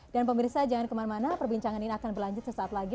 dan pemirsa jangan kemana mana perbincangan ini akan berlanjut sesaat lagi